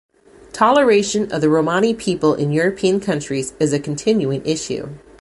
Toleration of the Romani people in European countries is a continuing issue.